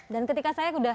dan ketika saya sudah